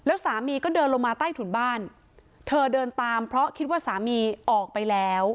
แล้วสามีก็เดินลงมาใต้ถุนบ้านเธอเดินตามเพราะคิดว่าสามีออกไปแล้ว